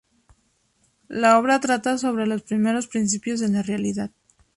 La obra trata sobre los primeros principios de la realidad.